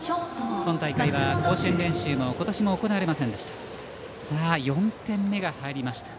今大会は甲子園練習も今年は行われませんでした。